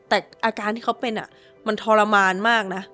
แต่อาการที่เขาเป็นมันทรมานมากนะ